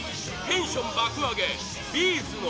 テンション爆アゲ